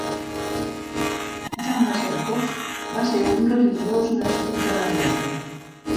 Jaume Cercós va ser un religiós nascut a Arbeca.